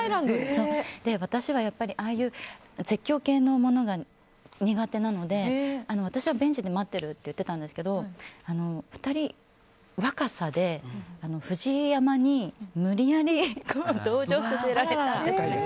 私はああいう絶叫系のものが苦手なので私はベンチで待ってるって言ってたんですけど２人、若さでＦＵＪＩＹＡＭＡに無理やり同乗させられて。